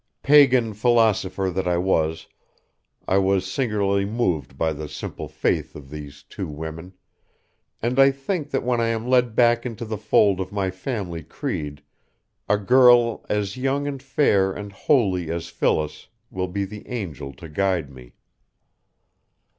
Pagan philosopher that I was, I was singularly moved by the simple faith of these two women, and I think that when I am led back into the fold of my family creed, a girl as young and fair and holy as Phyllis will be the angel to guide me.